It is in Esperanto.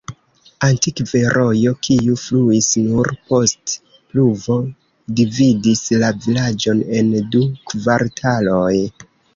Antikve rojo, kiu fluis nur post pluvo, dividis la vilaĝon en du kvartaloj.